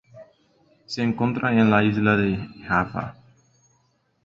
Se encuentra en la isla de Java.